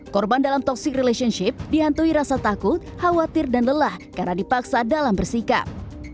korban dalam toxic relationship dihantui rasa takut khawatir dan lelah karena dipaksa dalam bersikap